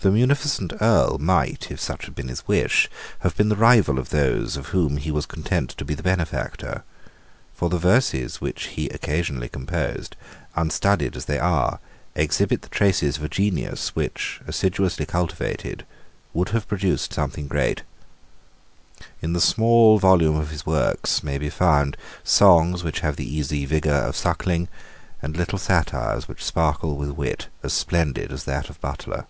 The munificent Earl might, if such had been his wish, have been the rival of those of whom he was content to be the benefactor. For the verses which he occasionally composed, unstudied as they are, exhibit the traces of a genius which, assiduously cultivated, would have produced something great. In the small volume of his works may be found songs which have the easy vigour of Suckling, and little satires which sparkle with wit as splendid as that of Butler.